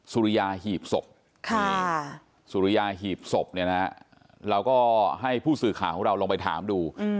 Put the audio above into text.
สุริยาหีบศพสุริยาหีบศพเนี่ยนะเราก็ให้ผู้สื่อข่าวของเราลงไปถามดู